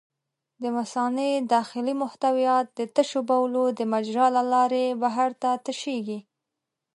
د مثانې داخلي محتویات د تشو بولو د مجرا له لارې بهر ته تشېږي.